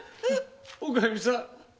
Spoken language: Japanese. おかみさん。